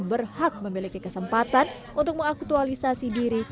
berhak memiliki kesempatan untuk mengaktualisasi diri